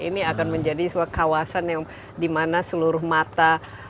ini akan menjadi sebuah kawasan yang dimana seluruh mata